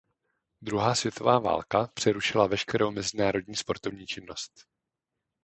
Druhá světová válka přerušila veškerou mezinárodní sportovní činnost.